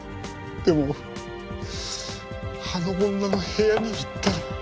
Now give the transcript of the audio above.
でもあの女の部屋に行ったら。